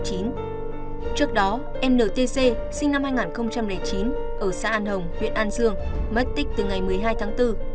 trước đó em nô tê dê sinh năm hai nghìn chín ở xã an hồng huyện an dương mất tích từ ngày một mươi hai tháng bốn